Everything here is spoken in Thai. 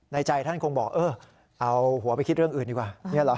ใจท่านคงบอกเออเอาหัวไปคิดเรื่องอื่นดีกว่า